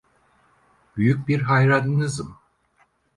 Büyük bir hayranınızım.